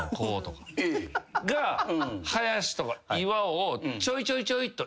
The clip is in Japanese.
林とか岩尾をちょいちょいちょいと。